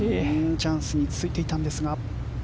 チャンスについていたんですが。